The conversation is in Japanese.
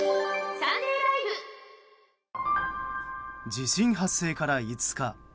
地震発生から５日。